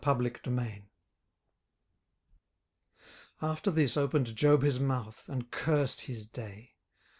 18:003:001 After this opened Job his mouth, and cursed his day.